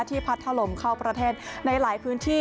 พัดถล่มเข้าประเทศในหลายพื้นที่